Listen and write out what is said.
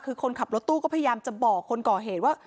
คือคนขับรถตู้ก็พยายามจะบอกคนก่อเหตุว่า